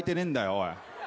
おい。